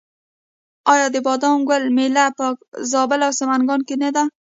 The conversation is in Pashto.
آیا د بادام ګل میله په زابل او سمنګان کې نه وي؟